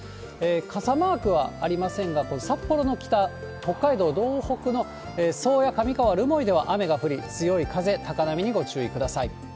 傘マークはありませんが、札幌の北、北海道道北の宗谷、上川、留萌では雨が降り、強い風、高波にご注意ください。